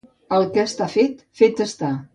El que està fet, fet està.